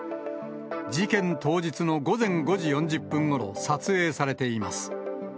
事件当日の午前５時４０分ごろ撮影されています。